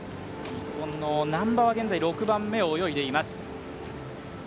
日本の難波は現在６番目を泳いでいます。